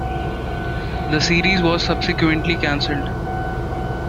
The series was subsequently cancelled.